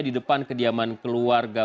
di depan kediaman keluarga